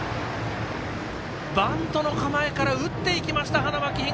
バントの構えから打っていきました、花巻東。